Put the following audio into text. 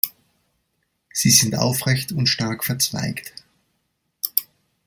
Sie sind aufrecht und stark verzweigt.